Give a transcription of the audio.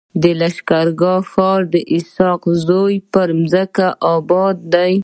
د لښکر ګاه ښار د اسحق زو پر مځکه اباد دی.